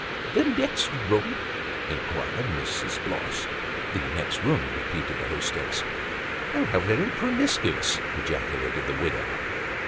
" The next room ?" inquired Mrs. Bloss. " The next room," repeated the hostess. " How very promiscuous !" ejaculated the widow.